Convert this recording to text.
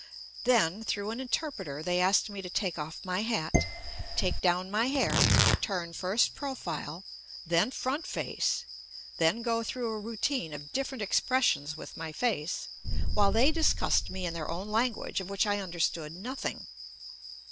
Then through an interpreter, they asked me to take off my hat, take down my hair, turn first profile, then front face, then go through a routine of different expressions with my face, while they discussed me in their own language of which I understood nothing.